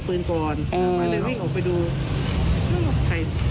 พี่บุหรี่พี่บุหรี่พี่บุหรี่